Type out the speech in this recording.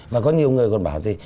và có nhiều người còn bảo là